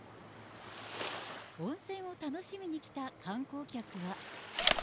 温泉を楽しみに来た観光客は。